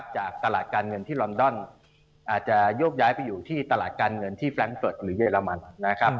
จากตลาดการเงินที่ลอนดอนอาจจะโยกย้ายไปอยู่ที่ตลาดการเงินที่แร้งเฟิร์ตหรือเยอรมันนะครับ